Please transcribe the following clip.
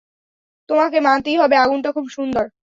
তোমাকে মানতেই হবে-- - আগুনটা খুব সুন্দর।